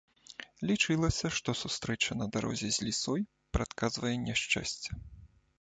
Лічылася, што сустрэча на дарозе з лісой прадказвае няшчасце.